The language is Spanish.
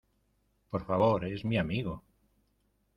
Por favor. Es mi amigo .